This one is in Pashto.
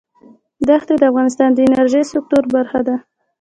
ښتې د افغانستان د انرژۍ سکتور برخه ده.